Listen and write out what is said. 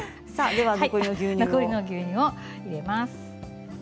では残りの牛乳を入れます。